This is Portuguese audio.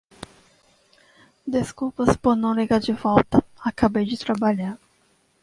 Desculpas por não ligar de volta. Acabei de trabalhar.